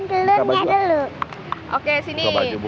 pertama kita pecahkan telurnya dulu